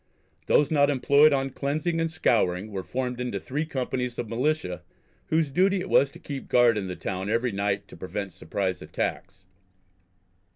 Those not employed on cleansing and scouring were formed into three companies of Militia whose duty it was to keep guard in the town every night, to prevent surprise attacks.